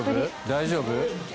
大丈夫？